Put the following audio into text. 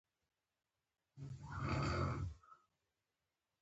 زردآلو د بدن د وینې شریانونه خلاصوي.